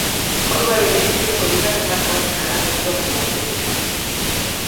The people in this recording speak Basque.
Klubaren historiako bigarren marka onena da puntuazio aldetik.